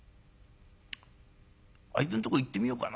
あいつんとこ行ってみようかな。